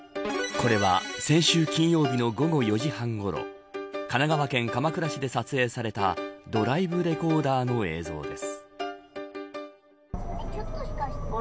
これは、先週金曜日の午後４時半ごろ神奈川県鎌倉市で撮影されたドライブレコーダーの映像です。